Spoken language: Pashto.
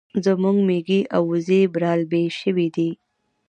زموږ ميږي او وزې برالبې شوې دي